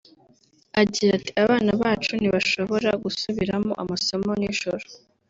Agira ati “Abana bacu ntibashobora gusubiramo amasomo nijoro